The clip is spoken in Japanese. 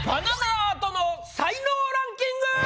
アートの才能ランキング！